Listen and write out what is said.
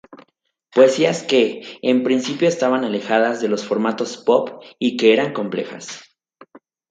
Poesías que, en principio estaban alejadas de los formatos pop y que eran complejas.